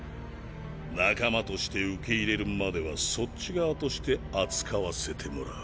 仲間として受け入れるまではそっち側として扱わせてもらう。